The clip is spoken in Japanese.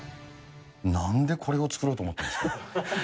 なんでこれを作ろうと思ったんですか。